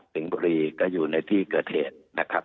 ติงปุรีก็อยู่ในที่เกิดเหตุ